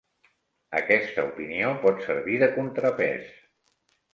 Aquesta opinió pot servir de contrapès.